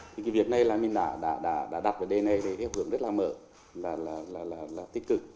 thì cái việc này là mình đã đặt vấn đề này thì theo hướng rất là mở và tích cực